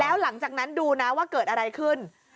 แล้วหลังจากนั้นดูนะว่าเกิดอะไรขึ้น